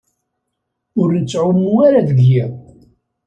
Ur tettɛumu ara deg yiḍ.